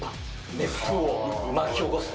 熱風を巻き起こすと。